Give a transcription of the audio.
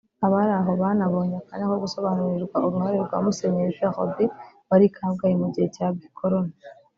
Abari aho banabonye akanya ko gusobanurirwa uruhare rwa Musenyeri Perodin wari i Kabgayi mu gihe cya gikoloni